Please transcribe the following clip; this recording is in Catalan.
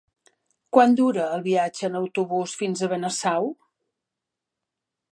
Quant dura el viatge en autobús fins a Benasau?